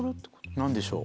何でしょう？